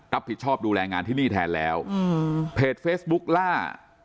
รับผิดชอบดูแลงานที่นี่แทนแล้วอืมเพจเฟซบุ๊กล่า